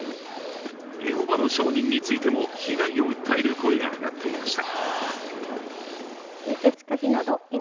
エホバの証人についても、被害を訴える声が上がっていました。